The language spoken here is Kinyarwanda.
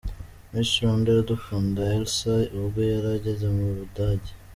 Miss Rwanda Iradukunda Elsa ubwo yari ageze mu Budage.